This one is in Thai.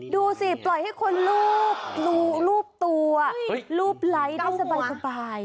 ดูสิปล่อยให้คนรูปตัวรูปไลค์ได้สบาย